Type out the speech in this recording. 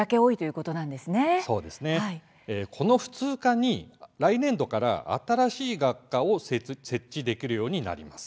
この普通科に来年度から新しい学科を設置できるようになります。